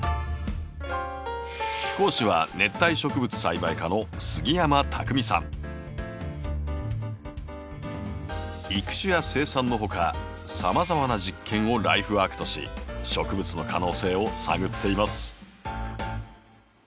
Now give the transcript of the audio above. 講師は育種や生産のほかさまざまな実験をライフワークとし植物の可能性を探っています。